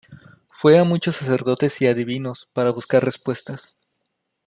Fue a muchos sacerdotes y adivinos para buscar respuestas.